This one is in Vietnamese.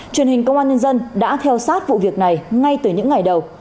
truyền hình công an nhân dân đã theo sát vụ việc này ngay từ những ngày đầu